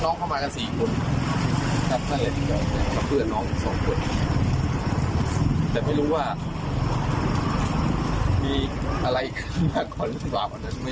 ก็คือเป็นฟันของผู้หญิงสาวที่ถูกยิงเนี่ยแหละค่ะ